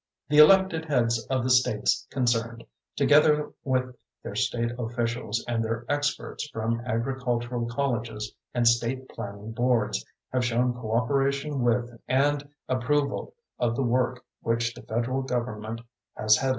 The elected heads of the states concerned, together with their state officials and their experts from agricultural colleges and state planning boards, have shown cooperation with and approval of the work which the federal government has headed.